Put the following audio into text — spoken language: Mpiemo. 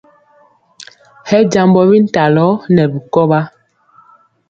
Hɛ jambɔ bintalɔ nɛ bikɔwa.